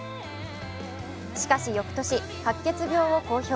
しかし、翌年、白血病を公表。